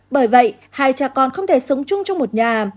bởi vậy hai cha con không thể sống chung trong một nhà